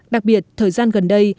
đặc biệt thời gian gần đây